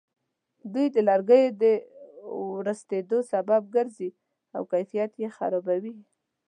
دوی د لرګیو د ورستېدلو سبب ګرځي او کیفیت یې خرابوي.